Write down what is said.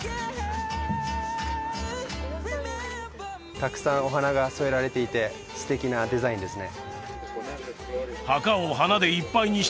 たくさんお花が添えられていて素敵なデザインですね